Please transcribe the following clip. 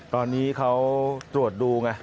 ตอนนี้เขาตรวจดูไง